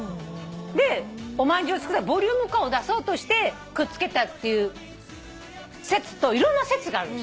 でおまんじゅうを作ったらボリューム感を出そうとしてくっつけたっていう説といろんな説があるの。